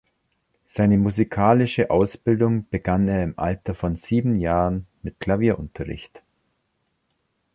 Seine musikalische Ausbildung begann er im Alter von sieben Jahren mit Klavierunterricht.